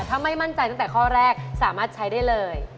ถ้าไม่มั่นใจตั้งแต่ข้อแรกสามารถใช้ได้เลย